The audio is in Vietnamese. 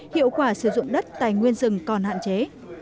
hiệu quả sử dụng đất tài nguyên rừng còn hạn chế